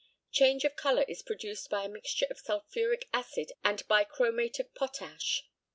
Change of colour is produced by a mixture of sulphuric acid and bi chromate of potash.